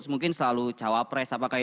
mungkin selalu cawapres